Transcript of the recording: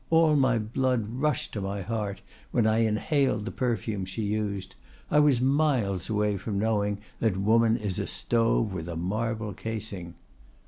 All my blood rushed to my heart when I inhaled the perfume she used. I was miles away from knowing that woman is a stove with a marble casing."